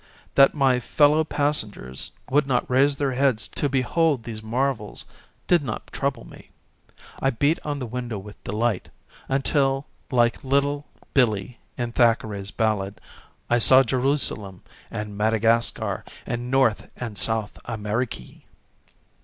That my fellow passengers would not raise their heads to behold 12 THE DAY BEFORE YESTERDAY these marvels did not trouble me ; I beat on the window with delight, until, like little Billee in Thackeray's ballad, I saw Jerusalem and Madagascar and North and South Amerikee.